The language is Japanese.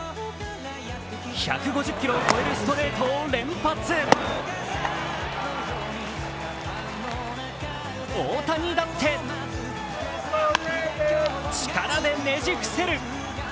１５０キロを超えるストレートを連発大谷だって、力でねじ伏せる。